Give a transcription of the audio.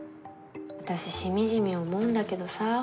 私しみじみ思うんだけどさぁ。